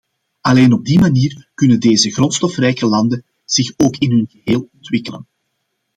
Alleen op die manier kunnen deze grondstofrijke landen zich ook in hun geheel ontwikkelen.